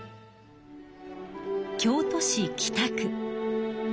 京都市北区。